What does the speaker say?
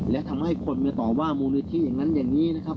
และทำให้คนมาต่อว่ามูลนิธิอย่างนั้นอย่างนี้นะครับ